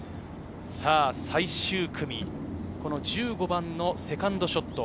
最終組、１５番のセカンドショット。